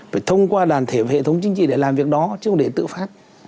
phải thông qua đoàn thể và hệ thống chính trị để làm việc đó chứ không để tự phát